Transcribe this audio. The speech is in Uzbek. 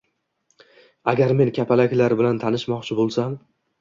— Agar men kapalaklar bilan tanishmoqchi bo‘lsam